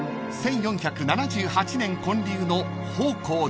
［１４７８年建立の］